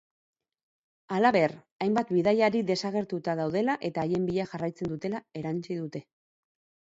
Halaber, hainbat bidaiari desagertuta daudela eta haien bila jarraitzen dutela erantsi dute.